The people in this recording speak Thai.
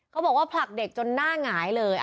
บอกว่าผลักเด็กจนหน้าหงายเลย